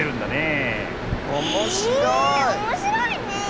えおもしろいねえ！